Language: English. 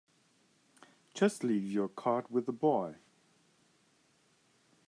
Just leave your card with the boy.